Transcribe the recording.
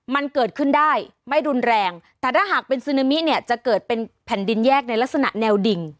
มันเกิดขึ้นได้ไม่รุนแรงแต่ถ้าหากเป็นซึนามิเนี่ยจะเกิดเป็นแผ่นดินแยกในลักษณะแนวดิ่ง